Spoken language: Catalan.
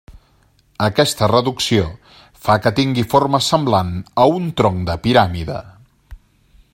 Aquesta reducció fa que tingui forma semblant a un tronc de piràmide.